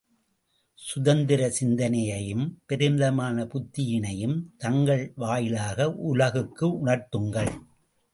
சுதந்திர சிந்தனையையும், பெருமிதமான புத்தியினையும் தங்கள் வாயிலாக உலகுக்கு உணர்த்துங்கள்.